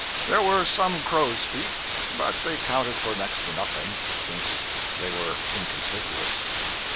There were some crow's feet, but they counted for next to nothing, since they were inconspicuous.